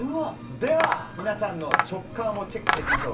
では、皆さんの直感をチェックしていきましょう。